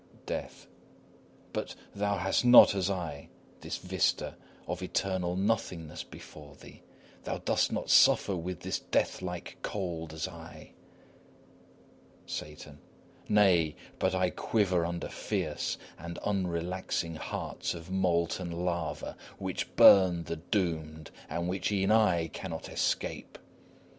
DEATH. But thou hast not, as I, this vista of eternal nothingness before thee; thou dost not suffer with this death like cold, as I. SATAN. Nay, but I quiver under fierce and unrelaxing hearts of molten lava, which burn the doomed and which e'en I cannot escape.